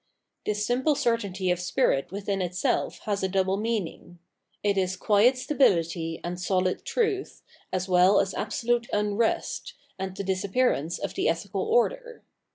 This simple certainty of spirit within itself has a double meaning ; it is quiet stability and solid truth, as well as absolute unrest, and the disappearance of the ethical order.